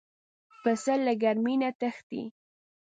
پسه له ګرمۍ نه تښتي.